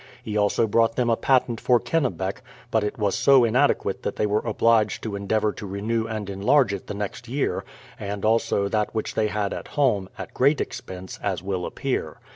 He also brought them a patent for Kennebec; but it was so inadequate that they were obliged to endeavour to renew and enlarge it the next year, and also that which they had at home, at great expense, as will appear.